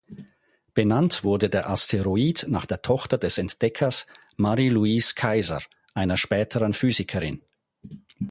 Benannt wurde der Asteroid nach der Tochter des Entdeckers, Marie-Louise Kaiser, einer späteren Physikerin.